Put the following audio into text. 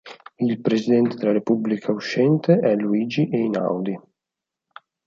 Il Presidente della Repubblica uscente è Luigi Einaudi.